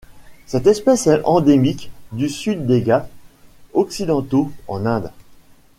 Cette espèce est endémique du sud des Ghâts occidentaux en Inde.